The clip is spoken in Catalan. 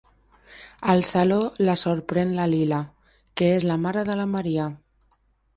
Al saló la sorprèn la Lila, que és la mare de la Maria.